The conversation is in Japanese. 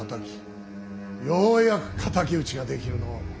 ようやく敵討ちができるのう。